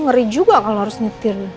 ngeri juga kalau harus nyetir